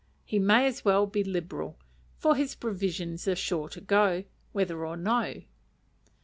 He may as well be liberal, for his provisions are sure to go, whether or no.